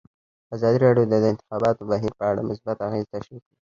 ازادي راډیو د د انتخاباتو بهیر په اړه مثبت اغېزې تشریح کړي.